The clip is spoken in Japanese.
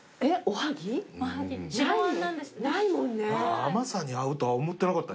甘さに合うとは思ってなかったですね。